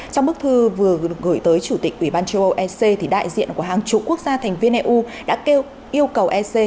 trong bức thư vừa được gửi tới chủ tịch ủy ban châu âu ec đại diện của hàng chục quốc gia thành viên eu đã yêu cầu ec